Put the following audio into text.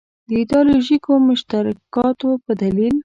د ایدیالوژیکو مشترکاتو په دلیل.